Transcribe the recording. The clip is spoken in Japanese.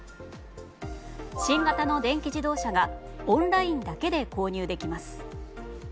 新型の電気自動車がオンラインだけで購入できます。